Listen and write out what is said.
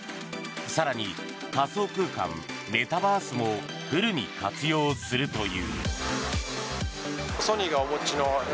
更に、仮想空間メタバースもフルに活用するという。